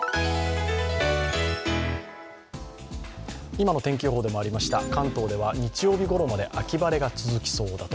今の天気予報でもありました、関東では日曜日頃まで秋晴れが続きそうだと。